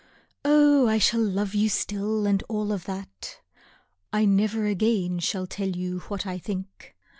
Oh, I shall love you still and all of that. I never again shall tell you what I think.